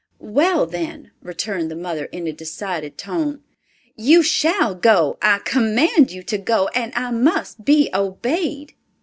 "Well, then," returned the mother in a decided tone, "you shall go; I command you to go, and I must be obeyed!"